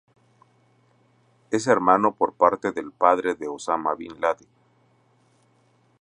Es hermano por parte de padre de Osama bin Laden.